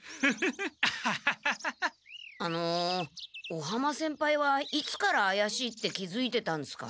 尾浜先輩はいつからあやしいって気づいてたんですか？